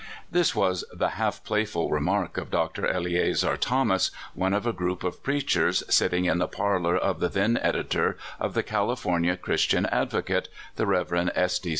This was the half playful remark of Dr. Eleazar Thomas, one of a group of preachers sitting in the parlor of the then editor of the California Christian Advocate, the Rev. S. D.